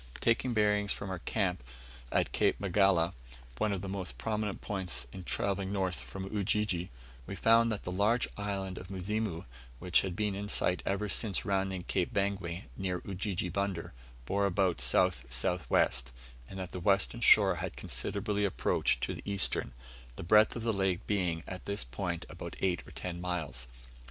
Taking bearings from our camp at Cape Magala, one of the most prominent points in travelling north from Ujiji, we found that the large island of Muzimu, which had been in sight ever since rounding Cape Bangwe, near Ujiji Bunder, bore about south south west, and that the western shore had considerably approached to the eastern; the breadth of the lake being at this point about eight or ten miles.